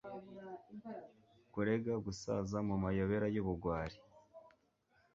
Kurega gusaza mumayobera yubugwari